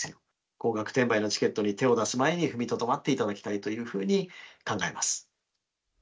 高額転売のチケットに手を出す前に踏みとどまっていただきたいというふうに考えます。